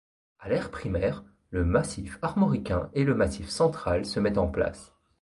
À l'ère primaire, le Massif armoricain et le Massif central se mettent en place.